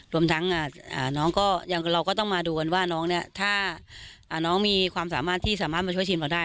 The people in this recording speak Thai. รวมทั้งเราก็ต้องมาดูกันว่าถ้าน้องมีความสามารถที่สามารถมาช่วยทีมเราได้